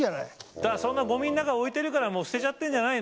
だからそんなゴミの中に置いてるからもう捨てちゃってんじゃないの？